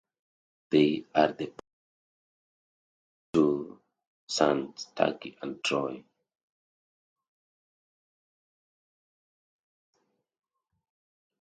They are the parents of two sons, Tucker and Troy.